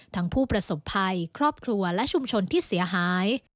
ผู้ประสบภัยครอบครัวและชุมชนที่เสียหาย